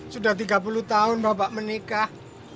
sudah tiga puluh tahun bapak menikah